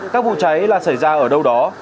các vụ cháy là xảy ra ở đâu đó